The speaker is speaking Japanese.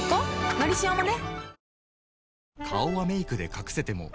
「のりしお」もね